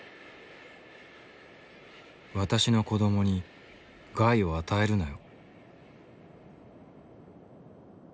「私の子どもに害を与えるなよ」。